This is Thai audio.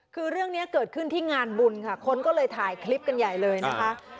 คือเรื่องนี้เกิดขึ้นที่งานบุญค่ะคนก็เลยถ่ายคลิปกันใหญ่เลยนะคะ